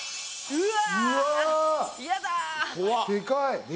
うわ。